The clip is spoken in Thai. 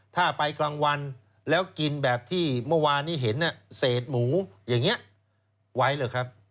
ถ้าไปกลางวันแล้วกินแบบที่เมื่อวานนี้เห็นเศษหมูอย่างนี้ไว้เหรอครับ